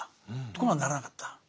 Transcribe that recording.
ところがならなかった。